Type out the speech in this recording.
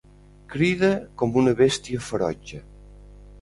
Crida com una bèstia ferotge.